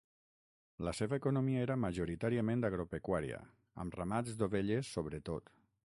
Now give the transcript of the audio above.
La seva economia era majoritàriament agropecuària, amb ramats d'ovelles sobretot.